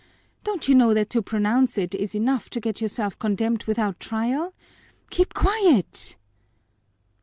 Don't you know that to pronounce it is enough to get yourself condemned without trial? Keep quiet!"